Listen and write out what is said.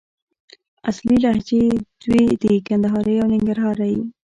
اصلي لهجې دوې دي: کندهارۍ او ننګرهارۍ